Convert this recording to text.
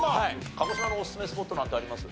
鹿児島のおすすめスポットなんてあります？